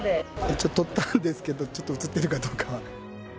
一応撮ったんですけど、ちょっと写ってるかどうかは。